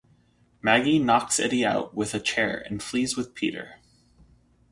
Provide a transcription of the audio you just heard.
Maggie knocks Eddie out with a chair and flees with Peter.